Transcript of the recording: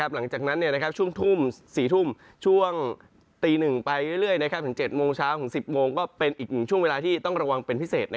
หลังจากนั้นช่วงทุ่ม๔ทุ่มช่วงตี๑ไปเรื่อยถึง๗โมงเช้าถึง๑๐โมงก็เป็นอีกหนึ่งช่วงเวลาที่ต้องระวังเป็นพิเศษ